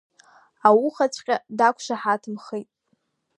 Аухаҵәҟьа дақәшҳаҭымхеит.